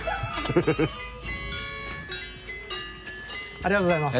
ありがとうございます。